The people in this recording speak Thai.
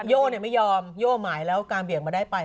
โย่ไม่ยอมโย่หมายแล้วการเบี่ยงมาได้ไป